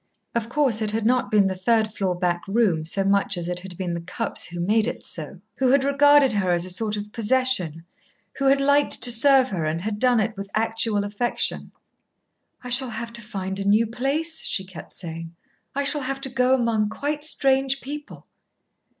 Of course it had not been the third floor back room so much as it had been the Cupps who made it so, who had regarded her as a sort of possession, who had liked to serve her, and had done it with actual affection. "I shall have to find a new place," she kept saying. "I shall have to go among quite strange people."